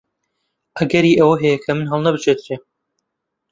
ئەگەری ئەوە هەیە کە من هەڵنەبژێردرێم.